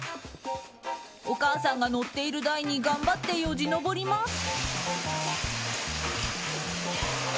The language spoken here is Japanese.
お母さんが乗っている台に頑張ってよじ登ります。